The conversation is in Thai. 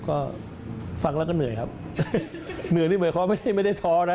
ก็ฟังแล้วก็เหนื่อยครับเหนื่อยนี่เหมือนเขาไม่ได้ไม่ได้ท้อนะ